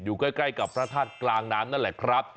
อยู่ใกล้กับพระธาตุกลางน้ำนั่นแหละครับ